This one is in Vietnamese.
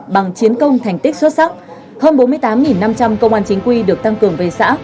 bằng chiến công thành tích xuất sắc hơn bốn mươi tám năm trăm linh công an chính quy được tăng cường về xã